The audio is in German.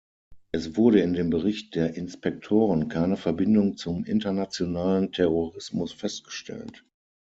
Es wurde in dem Bericht der Inspektoren keine Verbindung zum internationalen Terrorismus festgestellt.